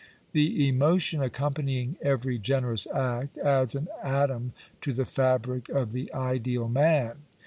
The emotion accompanying I every generous act adds an atom to the fabric of the ideal man.